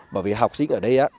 bởi vì học sinh ở đây á